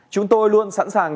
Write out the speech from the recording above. chúng tôi luôn sẵn sàng